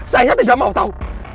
saya tidak mau tahu